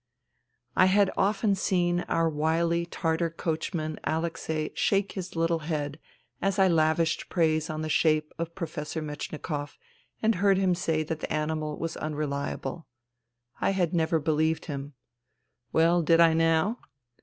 I had often seen our wily Tartar coachman Alexei shake his little head, as I lavished praise on the shape of " Professor Metchnikoff," and heard him say that the animal was " unreliable." I had never believed him. Well, did I now